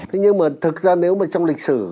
thế nhưng mà thực ra nếu mà trong lịch sử